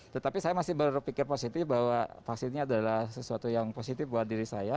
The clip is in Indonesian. tetapi saya masih berpikir positif bahwa vaksinnya adalah sesuatu yang positif buat diri saya